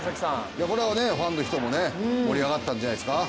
これはファンの人も盛り上がったんじゃないですか。